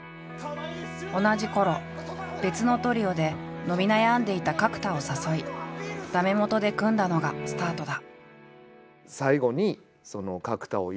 同じころ別のトリオで伸び悩んでいた角田を誘い駄目もとで組んだのがスタートだ。